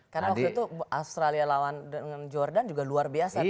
karena waktu itu australia lawan dengan jordan juga luar biasa ternyata